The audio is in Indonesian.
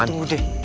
eh tunggu deh